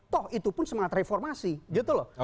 toh itu pun semangat reformasi gitu loh